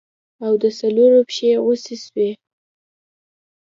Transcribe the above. او د څلورو پښې غوڅې سوې.